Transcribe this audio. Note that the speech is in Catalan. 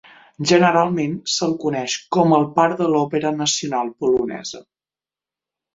Generalment, se'l coneix com "el pare de l'òpera nacional polonesa".